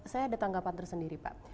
saya ada tanggapan tersendiri pak